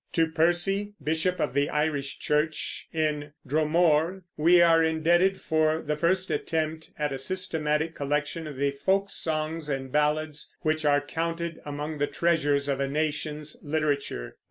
To Percy, bishop of the Irish church, in Dromore, we are indebted for the first attempt at a systematic collection of the folk songs and ballads which are counted among the treasures of a nation's literature.